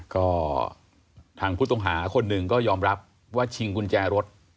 ก็ทางผู้ต้องหาคนหนึ่งก็ยอมรับว่าชิงกุญแจรถ